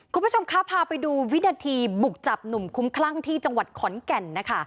คุณผู้ชมคะพาไปดูวินาทีบุกจับหนุ่มคุ้มคลั่งที่จังหวัดขอนแก่นนะคะ